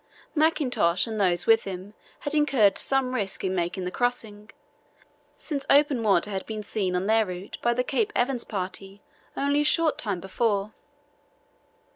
Mackintosh and those with him had incurred some risk in making the crossing, since open water had been seen on their route by the Cape Evans party only a short time before.